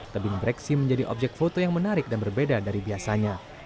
tebing breksi menjadi objek foto yang menarik dan berbeda dari biasanya